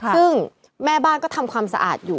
ซึ่งแม่บ้านก็ทำความสะอาดอยู่